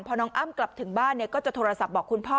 พอน้องอ้ำกลับถึงบ้านก็จะโทรศัพท์บอกคุณพ่อ